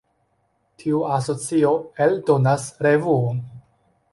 Tiu asocio eldonas revuon.